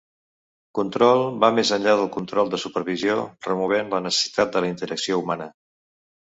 Control va més enllà del control de supervisió removent la necessitat de la interacció humana.